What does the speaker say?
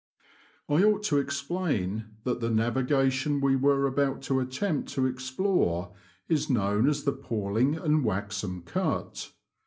I ought to explain that the navigation we were about to attempt to explore is known as the Palling and Waxham Cut.